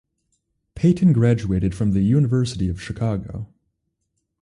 Payton graduated from the University of Chicago.